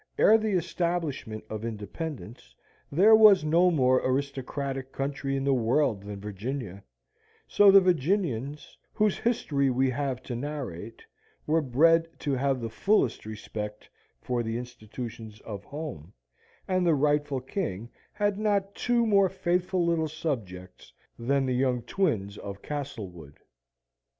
Ere the establishment of Independence, there was no more aristocratic country in the world than Virginia; so the Virginians, whose history we have to narrate, were bred to have the fullest respect for the institutions of home, and the rightful king had not two more faithful little subjects than the young twins of Castlewood.